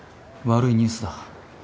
悪いニュースだ。